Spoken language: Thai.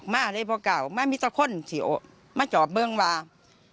มาเลยพ่อเก่าไม่มีตะคนสี่โอ๊ะมาจอบเบื้องวาง